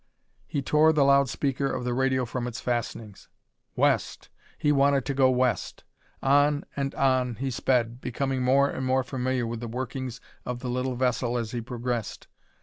He tore the loud speaker of the radio from its fastenings. West! He wanted to go west! On and on he sped, becoming more and more familiar with the workings of the little vessel as he progressed.